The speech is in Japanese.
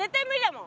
もう！